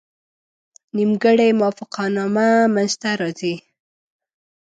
نیمګړې موافقتنامه منځته راځي.